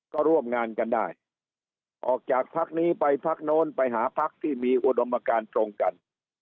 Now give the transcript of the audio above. ก็ร่วมงานกันได้ออกจากพักนี้ไปพักโน้นไปหาพักที่มีอุดมการตรงกัน